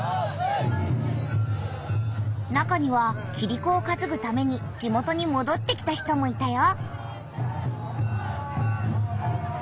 中にはキリコをかつぐために地元にもどってきた人もいたよ。